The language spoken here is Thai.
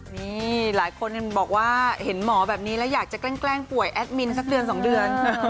นี่หลายคนบอกว่าเห็นหมอแบบนี้แล้วอยากจะแกล้งป่วยแอดมินสักเดือน๒เดือน